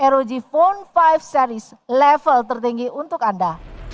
rog phone lima series level tertinggi untuk anda